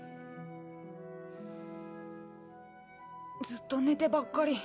ずっと寝てばっかり。